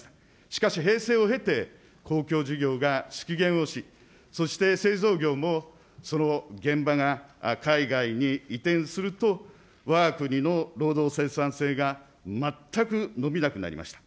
しかし、平成を経て公共事業が縮減をし、そして製造業もその現場が海外に移転すると、わが国の労働生産性が全く伸びなくなりました。